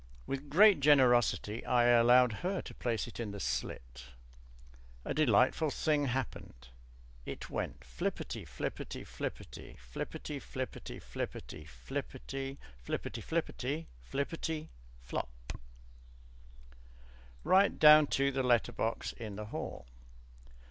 With great generosity I allowed her to place it in the slit. A delightful thing happened. It went Flipperty flipperty flipperty flipperty flipperty flipperty flipperty flipperty flipperty flipperty FLOP. Right down to the letter box in the hall.